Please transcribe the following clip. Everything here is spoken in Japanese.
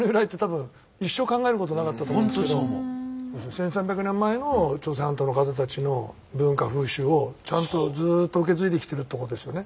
１，３００年前の朝鮮半島の方たちの文化風習をちゃんとずっと受け継いできてるってことですよね。